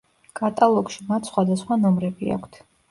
კატალოგში მათ სხვადასხვა ნომრები აქვთ.